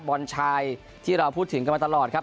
บอลชายที่เราพูดถึงกันมาตลอดครับ